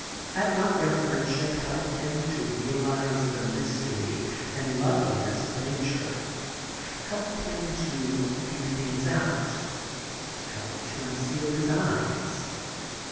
Had not their friendship helped him to realise the mystery and loveliness of nature ; helped him to make things out ; helped to unseal his eyes?